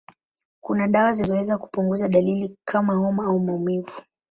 Kuna dawa zinazoweza kupunguza dalili kama homa au maumivu.